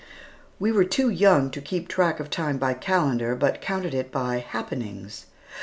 We were too young to keep track of time by calendar, but counted it by happenings.